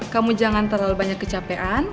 kamu jangan terlalu banyak kecapean